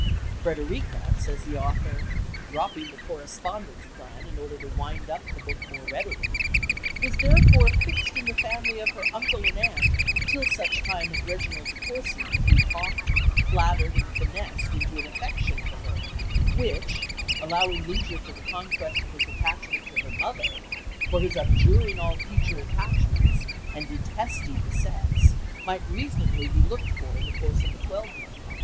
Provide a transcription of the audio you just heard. "Frederica," says the author, dropping the "correspondence" plan in order to wind up the book more readily "was therefore fixed in the family of her uncle and aunt till such time as Reginald de Courcy could be talked, flattered and finessed into an affection for her which, allowing leisure for the conquest of his attachment to her mother, for his abjuring all future attachments, and detesting the sex, might be reasonably looked for in the course of a twelve month.